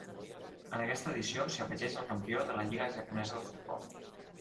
En aquesta edició s'hi afegeix el campió de la Lliga japonesa de futbol.